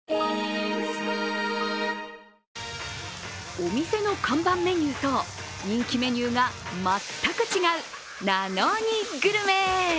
お店の看板メニューと人気メニューが全く違う「なのにグルメ」。